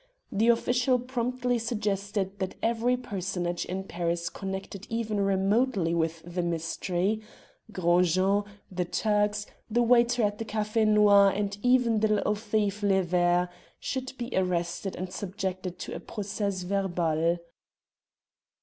The official promptly suggested that every personage in Paris connected even remotely with the mystery Gros Jean, the Turks, the waiter at the Café Noir, and even the little thief "Le Ver" should be arrested and subjected to a procès verbal.